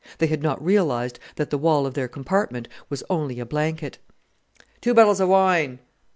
They had not realized that the wall of their compartment was only a blanket. "Two bottles of wine!"